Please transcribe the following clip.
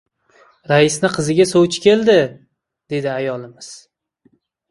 — Raisni qiziga sovchi keldi, — dedi ayolimiz.